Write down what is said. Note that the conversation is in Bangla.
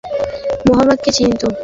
তাদের অনেকেই মুহাম্মাদকে চিনত।